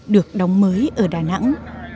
được đóng mới ở đà nẵng